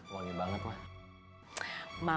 wangi banget mah